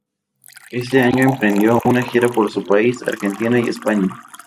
Ese año emprendió una gira por su país, Argentina y España.